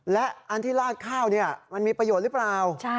และอันที่ลาดข้าวมันมีประโยชน์หรือเปล่า